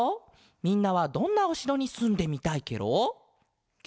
みんなはどんなおしろにすんでみたいケロ？ケ？